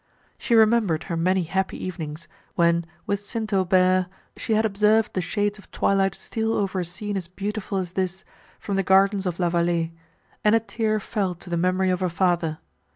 She remembered her many happy evenings, when with St. Aubert she had observed the shades of twilight steal over a scene as beautiful as this, from the gardens of La Vallée, and a tear fell to the memory of her father.